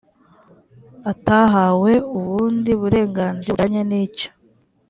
atahawe ubundi burenganzira bujyanye n icyo